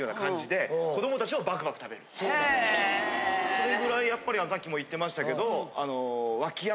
それぐらいやっぱりさっきも言ってましたけど。